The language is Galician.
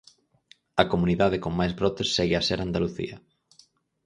A comunidade con máis brotes segue a ser Andalucía.